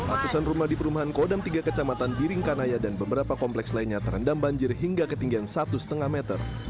atusan rumah di perumahan kodam tiga kecamatan biringkanaya dan beberapa kompleks lainnya terendam banjir hingga ketinggian satu lima meter